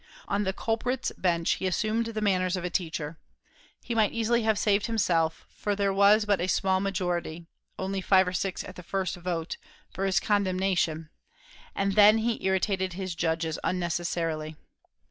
On the culprit's bench he assumed the manners of a teacher. He might easily have saved himself, for there was but a small majority (only five or six at the first vote) for his condemnation. And then he irritated his judges unnecessarily.